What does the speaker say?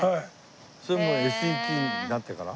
それもうＳＥＴになってから？